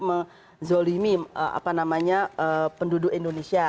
menzolimi penduduk indonesia